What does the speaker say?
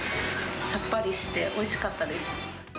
さっぱりしておいしかったです。